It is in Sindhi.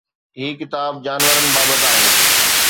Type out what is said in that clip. هي ڪتاب جانورن بابت آهي.